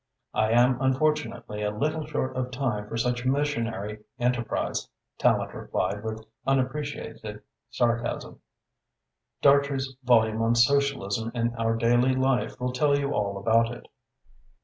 "I am unfortunately a little short of time for such missionary enterprise," Tallente replied, with unappreciated sarcasm. "Dartrey's volume on 'Socialism in Our Daily Life' will tell you all about it."